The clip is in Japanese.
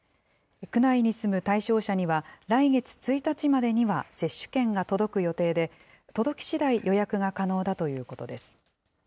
区内に住む対象者には、来月１日までには接種券が届く予定で、届きしだい、予約が可能だということです。